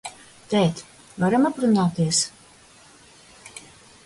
Tēt, varam aprunāties?